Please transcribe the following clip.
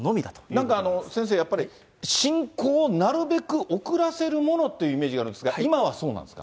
なんか先生、やっぱり進行をなるべく遅らせるものというイメージがあるんですが、今はそうなんですか。